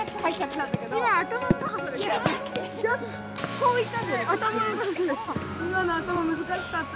こういった。